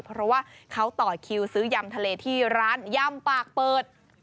เพราะว่าเขาต่อคิวซื้อยำทะเลที่ร้านยำปากเปิด